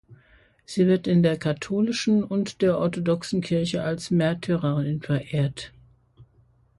Sie wird in der katholischen und der orthodoxen Kirche als Märtyrerin verehrt.